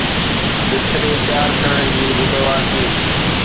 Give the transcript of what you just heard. بستري تيار ڪرڻ جي ذميوار ٽيم